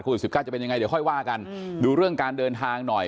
สิบเก้าจะเป็นยังไงเดี๋ยวค่อยว่ากันดูเรื่องการเดินทางหน่อย